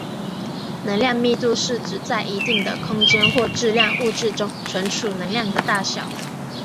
能量密度是指在一定的空间或质量物质中储存能量的大小。